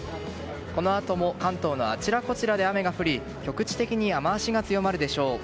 このあとも関東のあちらこちらで雨が降り局地的に雨脚が強まるでしょう。